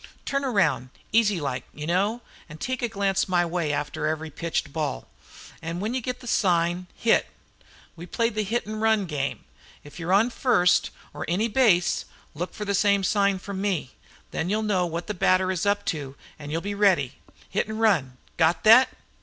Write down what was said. Turn round, easy like, you know, an' take a glance my way after every pitched ball, an' when you get the sign hit. We play the hit an' run game. If you're on first or any base, look for the same sign from me. Then you'll know what the batter is up to an' you'll be ready. Hit an' run. Got thet?"